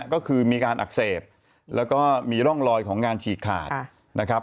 ก็คือมีการอักเสบแล้วก็มีร่องรอยของงานฉีกขาดนะครับ